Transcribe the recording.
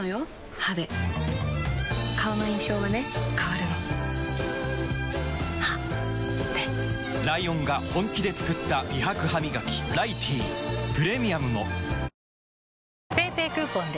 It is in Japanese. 歯で顔の印象はね変わるの歯でライオンが本気で作った美白ハミガキ「ライティー」プレミアムもＰａｙＰａｙクーポンで！